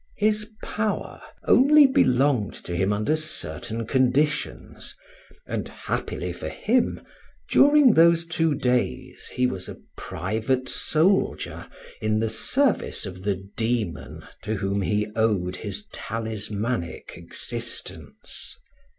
His power only belonged to him under certain conditions, and, happily for him, during those two days he was a private soldier in the service of the demon to whom he owed his talismanic existence.